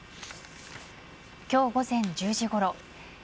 今日午前１０時ごろ